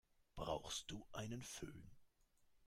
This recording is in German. Brauchst du einen Fön?